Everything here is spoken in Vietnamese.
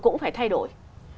cũng phải thay đổi